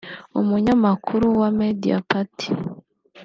umunyamakuru wa Mediapart